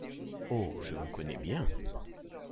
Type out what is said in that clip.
Oh ! je vous connais bien.